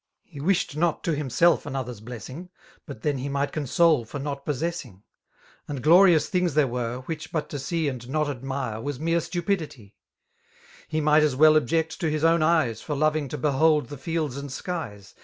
H.e wished not to himself another's Messing, But then he might console for not possessing ; Aud glorious things there were> which but to see And not admire, was mete stupidity: He might as well object to hifl own eyes For loving to behead the fields and skies.